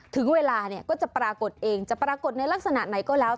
ถึงเวลาเนี่ยก็จะปรากฏเองจะปรากฏในลักษณะไหนก็แล้ว